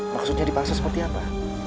maksudnya dipaksa seperti apa